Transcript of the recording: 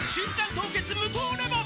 凍結無糖レモン」